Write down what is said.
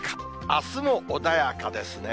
あすも穏やかですね。